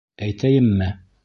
— Әйтәйемме?